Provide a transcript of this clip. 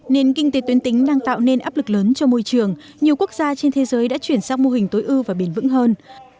nền kinh tế tuyến tính đang tạo nên áp lực lớn cho môi trường nhiều quốc gia trên thế giới đã chuyển sang mô hình tối ưu và bền vững hơn